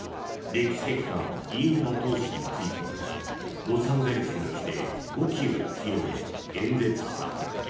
歴史的なインフラ投資についてロサンゼルスの地で語気を強め演説した。